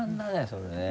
それね